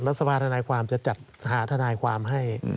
สภาธนายความจะจัดหาทนายความให้